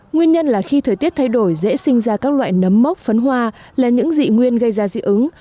nguyên nhân là khi thời tiết thay đổi dễ sinh ra các loại nấm mốc phấn hoa là những dị nguyên gây ra dị ứng